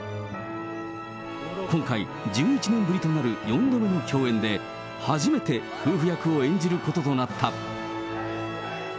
今回、１１年ぶりとなる４度目の共演で、初めて夫婦役を演じることとなった。